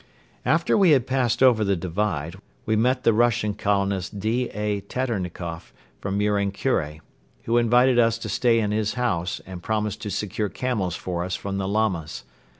After we had passed over the divide, we met the Russian colonist D. A. Teternikoff from Muren Kure, who invited us to stay in his house and promised to secure camels for us from the Lamas.